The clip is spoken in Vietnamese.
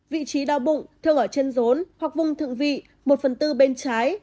vị trí đau bụng thường ở chân rốn hoặc vùng thượng vị một phần tư bên trái